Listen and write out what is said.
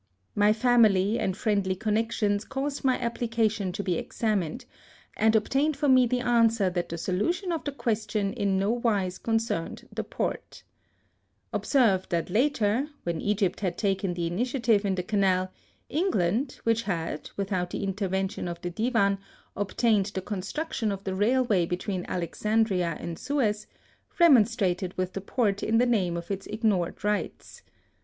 My family and friendly connections caused my application to be examined, and obtained for me the answer that the solution of the question in no wise concerned the Porte. Observe, that later, when Egypt had taken the initiative in the Canal, England, which had, without the intervention of the Divan, obtained the construction of the railway between Alex andria and Suez, remonstrated with the Porte in the name of its ignored rights.